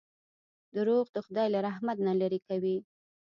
• دروغ د خدای له رحمت نه لرې کوي.